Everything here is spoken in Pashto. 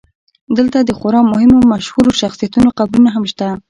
دلته د خورا مهمو مشهورو شخصیتونو قبرونه هم شته.